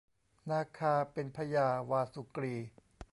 นาคาเป็นพญาวาสุกรี